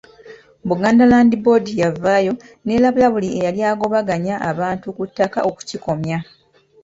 Buganda Land Board yavaayo n'erabula buli eyali agobaganya abantu ku ttaka okukikomya.